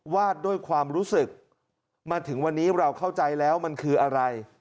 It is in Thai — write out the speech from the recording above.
ด้วยความรู้สึกมาถึงวันนี้เราเข้าใจแล้วมันคืออะไร